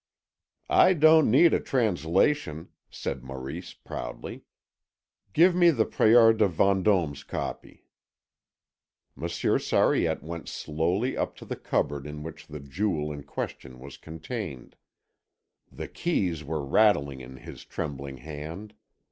"I don't need a translation," said Maurice proudly. "Give me the Prior de Vendôme's copy." Monsieur Sariette went slowly up to the cupboard in which the jewel in question was contained. The keys were rattling in his trembling hand.